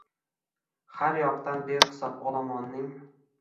Har yoqdan behisob olomonning